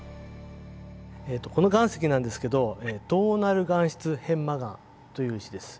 この岩石なんですけどトーナル岩質片麻岩という石です。